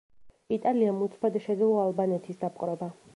იტალიამ უცბად შეძლო ალბანეთის დაპყრობა.